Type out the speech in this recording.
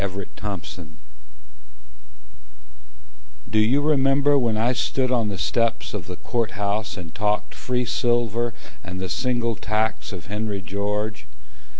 George Trimble Do you remember when I stood on the steps Of the Court House and talked free silver, And the single tax of Henry George?